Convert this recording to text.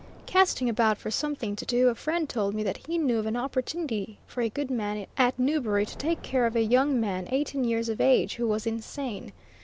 Casting about for something to do, a friend told me that he knew of an opportunity for a good man at Newbury to take care of a young man, eighteen years of age, who was insane.